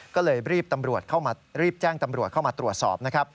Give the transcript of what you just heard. ก็เลยรีบแจ้งตำรวจเข้ามาตรวจสอบ